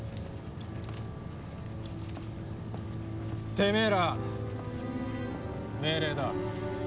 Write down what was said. てめえら命令だ。